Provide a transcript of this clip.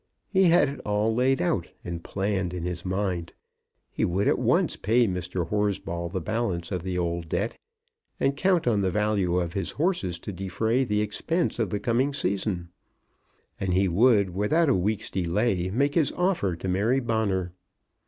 He had it all laid out and planned in his mind. He would at once pay Mr. Horsball the balance of the old debt, and count on the value of his horses to defray the expense of the coming season. And he would, without a week's delay, make his offer to Mary Bonner.